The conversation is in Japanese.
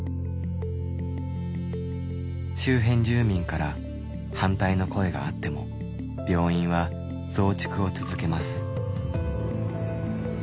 周辺住民から反対の声があっても病院は増築を続けます。